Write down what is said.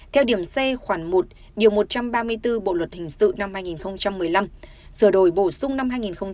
theo điểm c khoảng một điều một trăm ba mươi bốn bộ luật hình sự năm hai nghìn một mươi năm sửa đổi bổ sung năm hai nghìn một mươi bảy